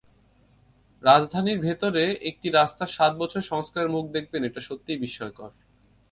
রাজধানীর ভেতরে একটি রাস্তা সাত বছরে সংস্কারের মুখ দেখবে না, এটা সত্যিই বিস্ময়কর।